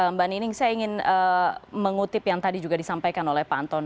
mbak nining saya ingin mengutip yang tadi juga disampaikan oleh pak anton